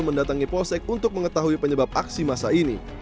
mendatangi polsek untuk mengetahui penyebab aksi masa ini